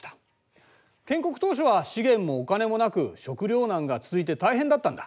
建国当初は資源もお金もなく食糧難が続いて大変だったんだ。